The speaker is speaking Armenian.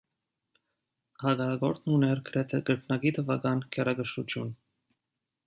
Հակառակորդն ուներ գրեթե կրկնակի թվական գերակշռություն։